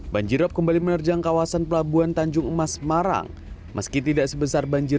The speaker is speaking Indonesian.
banjirop kembali menerjang kawasan pelabuhan tanjung emas marang meski tidak sebesar banjir